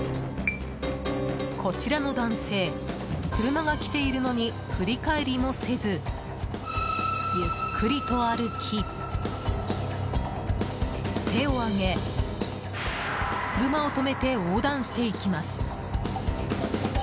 こちらの男性、車が来ているのに振り返りもせずゆっくりと歩き、手を挙げ車を止めて横断していきます。